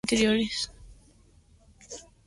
Prefieren áreas protegidas de arrecifes interiores.